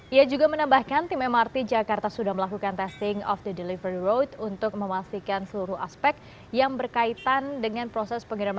ia juga menambahkan tim mrt jakarta sudah melakukan testing of the delivery road untuk memastikan seluruh aspek yang berkaitan dengan proses pengiriman